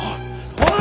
おい！